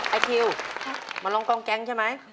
ไอคิวมาร้องกองแก๊งใช่ไหมครับ